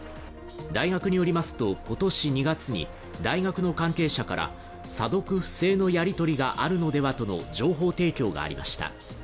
大学によりますと、今年２月に大学の関係者から査読不正のやり取りがあるのではという情報提供がありました。